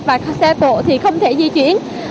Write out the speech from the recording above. và xe tộ thì không thể di chuyển